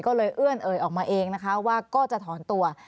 ก็เลยเอื้อนเอ่ยออกมาเองนะคะว่าก็จะถอนตัว